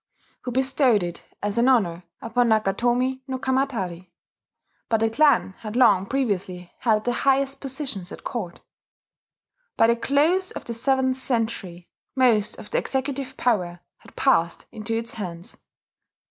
who bestowed it as an honour upon Nakatomi no Kamatari; but the clan had long previously held the highest positions at Court. By the close of the seventh century most of the executive power had passed into its hands.